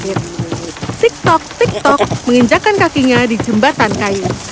ketika adik bungsu ini menunggu tiktok tiktok tiktok menginjakkan kakingnya di jembatan kain